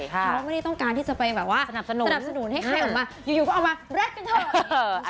เพราะว่าไม่ได้ต้องการที่จะไปสนับสนุนให้ใครออกมาอยู่ก็เอามาแบ๊กกันเถอะ